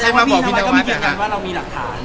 แสดงว่าพี่เจวัดก็มีเหตุการณ์ว่าเรามีหลักฐาน